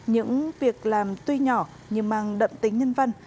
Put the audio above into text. những việc làm tuy nhỏ nhưng mang đậm tính nhân văn